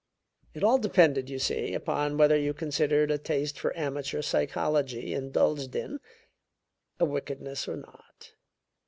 It all depended, you see, upon whether you considered a taste for amateur psychology, indulged in, a wickedness or not.